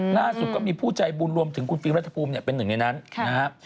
ล่าสุดก็มีผู้ใจบุญรวมถึงคุณฟิล์รัฐภูมิเป็นหนึ่งในนั้นนะครับ